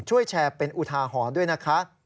ช่วยแชร์เป็นอุทาหรณ์ด้วยนะคะ